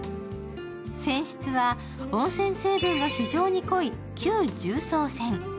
泉質は温泉成分が非常に濃い旧重曹泉。